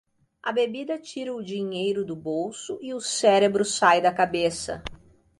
A bebida tira o dinheiro do bolso e o cérebro sai da cabeça.